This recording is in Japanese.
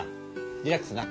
リラックスな。